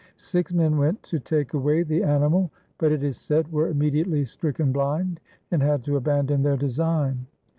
Six men went to take away the animal, but, it is said, were immediately stricken blind and had to abandon their design.